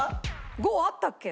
５あったっけ？